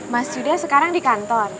mas yuda sekarang di kantor